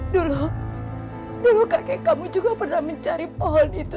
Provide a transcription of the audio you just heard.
dulu dulu kakek kamu juga pernah mencari pohon itu